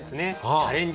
チャレンジ